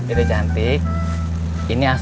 ibu kayanya sudah nahan dan berharga